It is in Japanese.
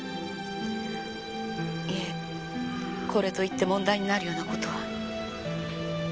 いえこれといって問題になるような事は。